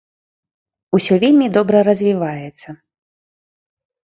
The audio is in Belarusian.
Усё вельмі добра развіваецца.